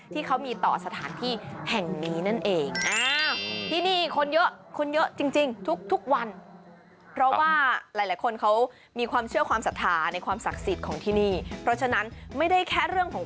ที่เขามีต่อสถานที่แห่งนี้นั่นเอง